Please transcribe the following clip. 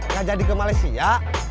gak jadi ke malaysia